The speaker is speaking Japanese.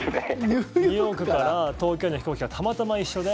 ニューヨークから東京への飛行機がたまたま一緒で。